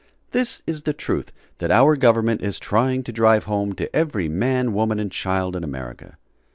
This is the truth that our government is trying to drive home to every man, woman and child in America.